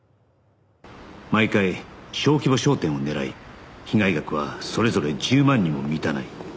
毎回小規模商店を狙い被害額はそれぞれ１０万にも満たない